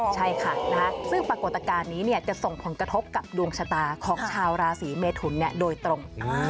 ใช่ค่ะซึ่งปรากฏการณ์นี้จะส่งผลกระทบกับดวงชะตาของชาวราศีเมทุนโดยตรง